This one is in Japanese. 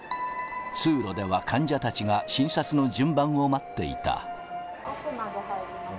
通路では患者たちが診察の順番を待っていた。